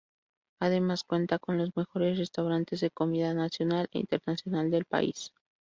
Además cuenta con los mejores restaurantes de comida nacional e internacional del país.